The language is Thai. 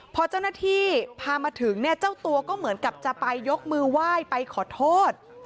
พอเจ้าหน้าที่พามาถึงเนี่ยเจ้าตัวก็เหมือนกับจะไปยกมือไหว้ไปขอโทษ